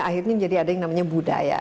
akhirnya menjadi ada yang namanya budaya